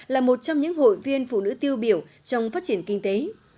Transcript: là một trong những hội viên phụ nữ tiêu biểu trong phát triển kinh tế